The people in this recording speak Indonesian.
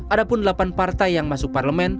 ada pun delapan partai yang masuk parlemen